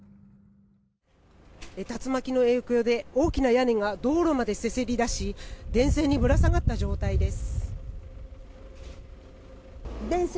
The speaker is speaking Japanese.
竜巻の影響で大きな屋根が道路までせり出し電線にぶら下がった状態です。